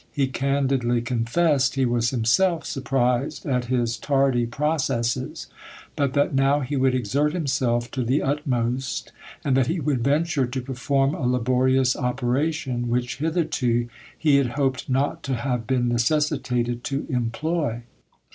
He candidly confessed he was himself surprised at his tardy processes; but that now he would exert himself to the utmost, and that he would venture to perform a laborious operation, which hitherto he had hoped not to have been necessitated to employ.